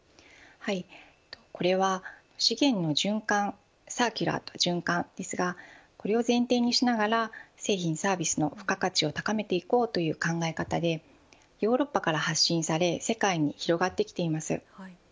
これは資源の循環をサーキュラーとは循環ですがこれを前提にしながら製品サービスの付加価値を高めていこうという考え方でヨーロッパから発信され世界に広がってきています。